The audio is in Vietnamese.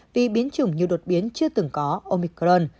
vì biến chủng nhiều đột biến chưa từng có omicron